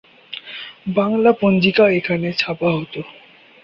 বাংলা পঞ্জিকা এখানে ছাপা হত।